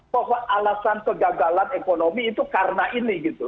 bahwa alasan kegagalan ekonomi itu karena ini gitu